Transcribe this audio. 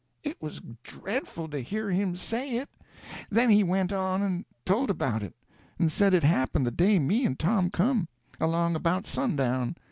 It was dreadful to hear him say it. Then he went on and told about it, and said it happened the day me and Tom come—along about sundown.